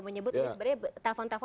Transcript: menyebut ini sebenarnya telepon teleponan